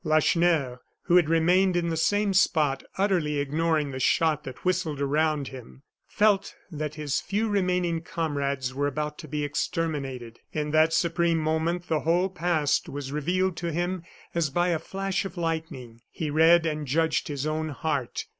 Lacheneur, who had remained in the same spot, utterly ignoring the shot that whistled around him, felt that his few remaining comrades were about to be exterminated. In that supreme moment the whole past was revealed to him as by a flash of lightning. He read and judged his own heart.